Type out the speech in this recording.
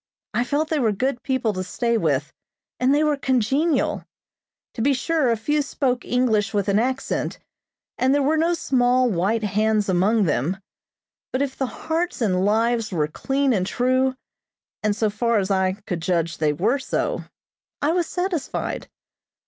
I felt they were good people to stay with, and they were congenial. To be sure, a few spoke English with an accent, and there were no small, white hands among them; but if the hearts and lives were clean and true, and so far as I could judge they were so, I was satisfied.